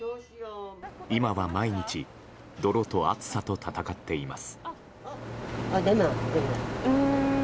今は毎日泥と暑さと戦っています。